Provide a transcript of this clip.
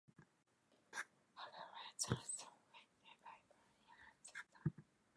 Heavy rains and strong winds impacted Boeny ahead of the storm.